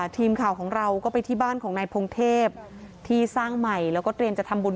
ทีมข่าวของเราก็ไปที่บ้านของนายพงเทพที่สร้างใหม่แล้วก็เตรียมจะทำบุญ